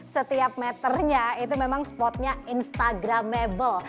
setiap meternya itu memang spotnya instagramable